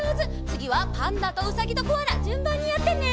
つぎはパンダとうさぎとコアラじゅんばんにやってね。